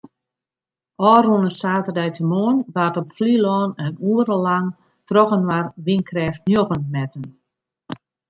Ofrûne saterdeitemoarn waard op Flylân in oere lang trochinoar wynkrêft njoggen metten.